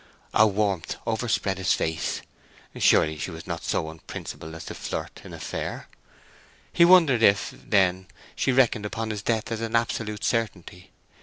A warmth overspread his face: surely she was not so unprincipled as to flirt in a fair! He wondered if, then, she reckoned upon his death as an absolute certainty.